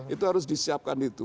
itu harus disiapkan itu